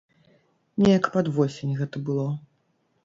Неяк пад восень гэта было.